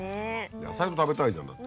野菜も食べたいじゃんだって。